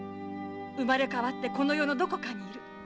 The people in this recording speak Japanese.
「生まれ変わってこの世のどこかにいる」